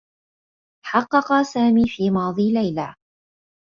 حقّق سامي في ماضي ليلى.